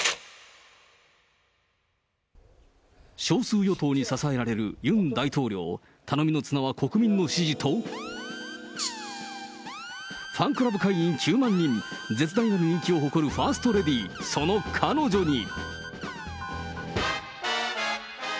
少数与党に支えられるユン大統領、頼みの綱は国民の支持と、ファンクラブ会員９万人、絶大なる人気を誇るファーストレディー、その彼女に。